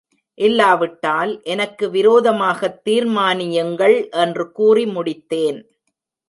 இல்லாவிட்டால் எனக்கு விரோதமாகத் தீர்மானியுங்கள் என்று கூறி முடித்தேன்.